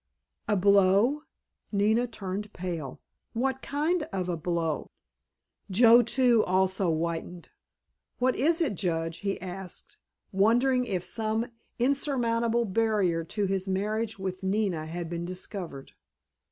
"A blow?" Nina turned pale. "What kind of a blow?" Joe too had whitened. "What is it, Judge?" he asked, wondering if some insurmountable barrier to his marriage with Nina had been discovered.